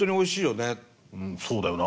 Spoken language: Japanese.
うんそうだよな。